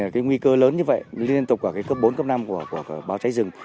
cái nguy cơ lớn như vậy liên tục ở cái cấp bốn cấp năm của báo cháy rừng